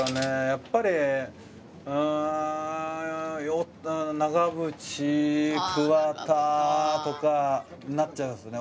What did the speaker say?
やっぱりうーん。とかになっちゃいますね。